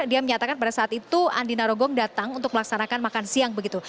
dia menyatakan pada saat itu andi narogong datang untuk melaksanakan makan siang begitu